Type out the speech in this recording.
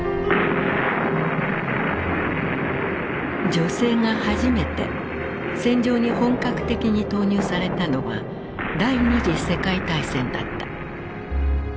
女性が初めて戦場に本格的に投入されたのは第二次世界大戦だった。